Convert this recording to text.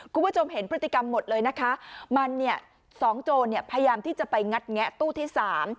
คุณผู้ชมเห็นพฤติกรรมหมดเลยนะคะมันเนี่ยสองโจรเนี่ยพยายามที่จะไปงัดแงะตู้ที่สาม